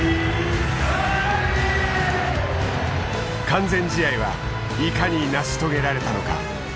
完全試合はいかに成し遂げられたのか。